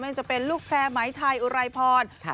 ก็จะเป็นลูกแพร่ไหมไทยอุรัยปรน